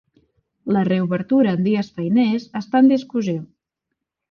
La reobertura en dies feiners està en discussió.